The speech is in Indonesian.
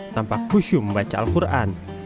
tampak khusyuk membaca al quran